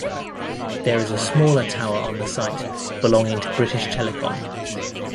There is a smaller tower on the site belonging to British Telecom.